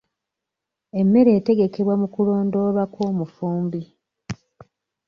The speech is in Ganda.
Emmere etegekebwa mu kulondoolwa kw'omufumbi.